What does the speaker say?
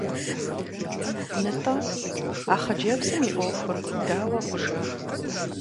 НтӀэ, а хъыджэбзым и Ӏуэхур дауэ хъужа?